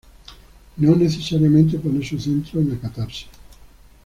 No necesariamente pone su centro en la catarsis.